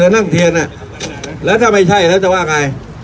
เธอนั่งเทียนน่ะแล้วถ้าไม่ใช่แล้วจะะไง